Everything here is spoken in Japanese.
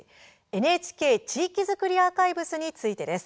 「ＮＨＫ地域づくりアーカイブス」についてです。